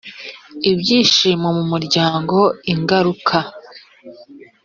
ibyishimo mu muryango ingaruka